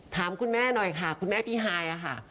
ถามคุณแม่หน่อยค่ะคุณแม่พี่ฮายค่ะ